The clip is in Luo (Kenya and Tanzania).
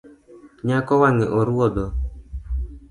Nyako wang’e oruodho